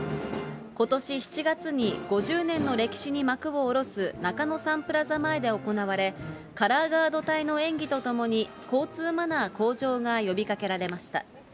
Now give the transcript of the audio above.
ことし７月に５０年の歴史に幕を下ろす中野サンプラザ前で行われ、カラーガード隊の演技とともに、交通マナー向上が呼びかけられました。